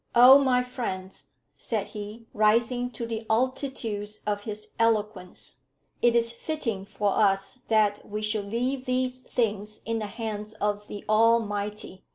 "Oh, my friends," said he, rising to the altitudes of his eloquence, "it is fitting for us that we should leave these things in the hands of the Almighty.